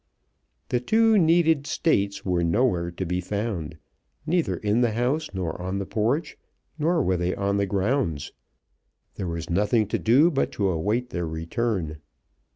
The two needed States were nowhere to be found, neither in the house, nor on the porch, nor were they on the grounds. There was nothing to do but to await their return.